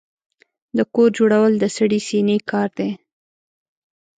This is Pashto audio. د کور جوړول د سړې سينې کار دی.